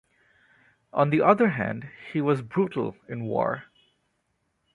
On the other hand, he was brutal in war.